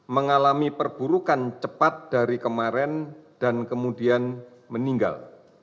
mengalami perburukan cepat dari kemarin dan kemudian meninggal